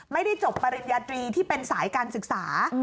ไม่ได้จบปริญญาตรีที่เป็นสายการศึกษา